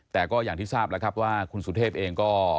แต่ก็อย่างที่ทราบแล้วครับว่าคุณสุเทพเองก็